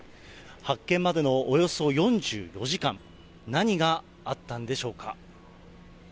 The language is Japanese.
発見までのおよそ４５時間、何があったんでしょうか。